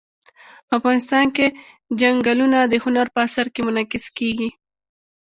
افغانستان کې چنګلونه د هنر په اثار کې منعکس کېږي.